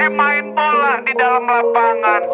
saya main bola di dalam lapangan